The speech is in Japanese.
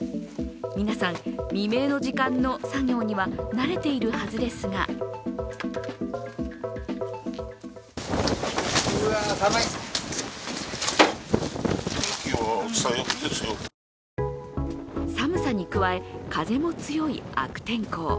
皆さん、未明の時間の作業には慣れているはずですが寒さに加え、風も強い悪天候。